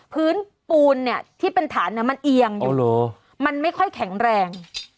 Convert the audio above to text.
พื้นปูนเนี่ยที่เป็นฐานมันเอียงมันไม่ค่อยแข็งแรง